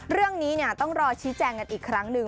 เรื่องนี้ต้องรอชี้แจงกันอีกครั้งหนึ่ง